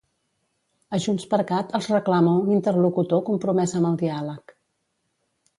A JxCat els reclama un interlocutor compromès amb el diàleg.